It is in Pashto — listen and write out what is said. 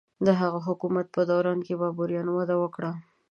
د هغه د حکومت په دوران کې بابریانو وده وکړه.